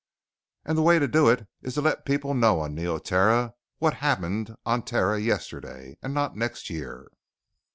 "And the way to do it is to let people know on Neoterra what happened on Terra yesterday and not next year!"